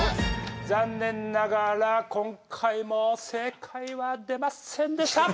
残念ながら今回も正解は出ませんでした！